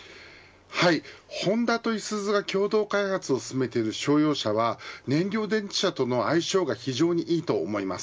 ホンダといすゞが共同開発を進めている商用車は燃料電池車との相性が非常にいいと思います。